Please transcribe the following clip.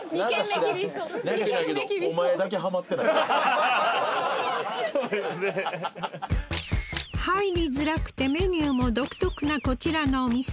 入りづらくてメニューも独特なこちらのお店